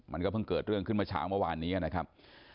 มันก็เพิ่งเกิดเรื่องขึ้นมาเช้าเมื่อวานนี้นะครับ